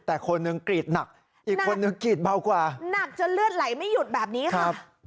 แต่คนหนึ่งกรีดหนักอีกคนนึงกรีดเบากว่าหนักจนเลือดไหลไม่หยุดแบบนี้ค่ะ